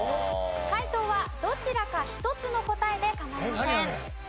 解答はどちらか１つの答えで構いません。